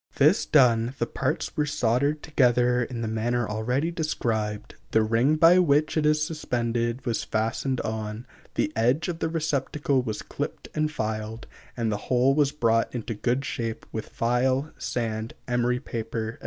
This done, the parts were soldered together in the manner already described, the ring by which it is suspended was fastened on, the edge of the receptacle was clipped and filed, and the whole was brought into good shape with file, sand, emery paper, &c.